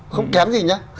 không kém gì nhá